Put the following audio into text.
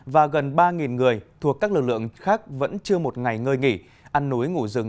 và gần ba người thuộc các lực lượng khác vẫn chưa một ngày ngơi nghỉ ăn núi ngủ rừng